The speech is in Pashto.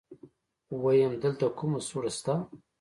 ويم دلته کومه سوړه شته.